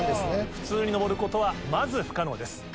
普通に登ることはまず不可能です。